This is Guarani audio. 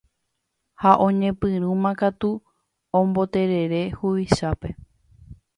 ha oñepyrũmakatu omboterere huvichápe.